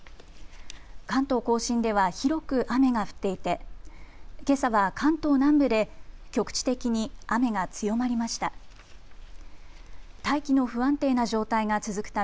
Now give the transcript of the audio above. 関東甲信では広く雨が降っていてけさは関東南部で局地的に雨が強まりました。